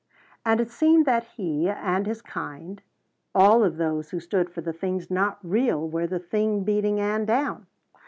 And it seemed that he he and his kind all of those who stood for the things not real were the thing beating Ann down.